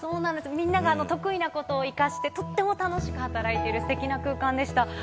みんなが得意なことを生かして、とっても楽しく働いている、すてきな空間でした。